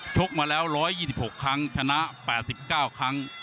กมาแล้ว๑๒๖ครั้งชนะ๘๙ครั้ง